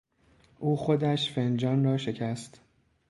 او خودش فنجان را شکست.